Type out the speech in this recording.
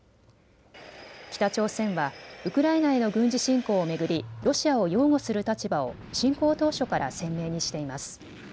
北朝鮮はウクライナへの軍事侵攻を巡り、ロシアを擁護する立場を侵攻当初から鮮明にしています。